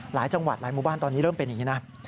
หลายจังหวัดหลายหมู่บ้านตอนนี้เริ่มเป็นอย่างนี้นะ